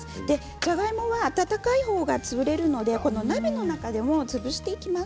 じゃがいもは温かいほうが潰れるので、この鍋の中でもう潰していきます。